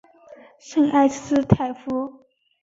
圣埃斯泰夫。